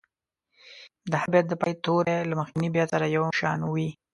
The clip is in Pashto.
د هر بیت د پای توري له مخکني بیت سره یو شان وي.